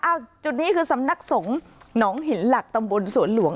จุดนี้คือสำนักสงฆ์หนองหินหลักตำบลสวนหลวง